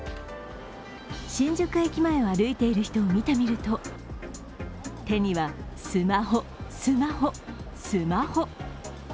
新宿駅前を歩いている人を見てみると、手には、スマホ、スマホ、スマホ。